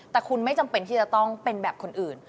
แต่คุณไม่จำเป็นที่จะต้องเป็นแบบคนอื่น